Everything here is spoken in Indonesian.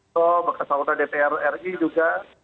sob bekas sawta dpr ri juga